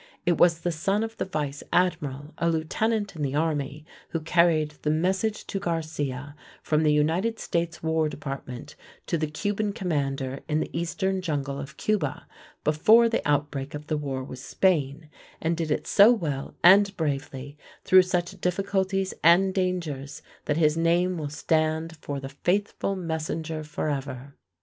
It was the son of the vice admiral, a lieutenant in the army, who carried "the message to Garcia" from the United States War Department to the Cuban commander in the eastern jungle of Cuba, before the outbreak of the war with Spain, and did it so well and bravely through such difficulties and dangers that his name will stand for "the faithful messenger" forever.